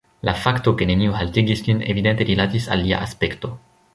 La fakto, ke neniu haltigis lin, evidente rilatis al lia aspekto.